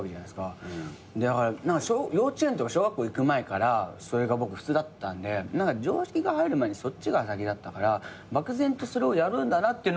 だから幼稚園とか小学校行く前からそれが僕普通だったんで常識が入る前にそっちが先だったから漠然とそれをやるんだなっていうのはありました。